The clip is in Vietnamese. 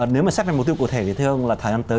nếu mà xét ra mục tiêu cụ thể thì thưa ông là thời gian tới